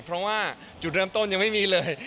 เพราะว่าจุดเริ่มต้นยังไม่มีเลย